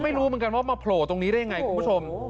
ไม่รู้เหมือนกันว่ามาโผล่ตรงนี้ได้ยังไงคุณผู้ชม